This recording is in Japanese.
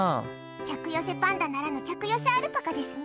客寄せパンダならぬ客寄せアルパカですね。